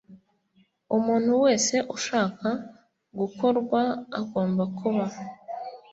Umuntu wese ushaka gutorwa agomba kuba